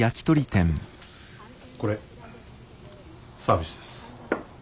これサービスです。